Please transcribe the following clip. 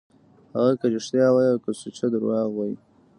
هغه که رښتيا وي او که سوچه درواغ وي.